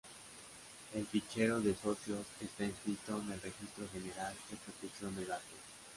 El fichero de socios está inscrito en el Registro General de Protección de Datos.